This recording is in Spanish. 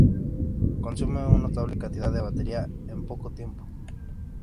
Consume una notable cantidad de batería en poco tiempo.